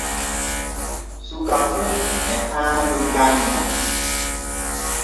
Suka fu e haani janŋa.